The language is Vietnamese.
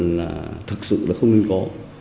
là thật sự là không nên có